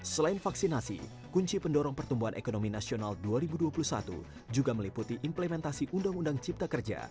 selain vaksinasi kunci pendorong pertumbuhan ekonomi nasional dua ribu dua puluh satu juga meliputi implementasi undang undang cipta kerja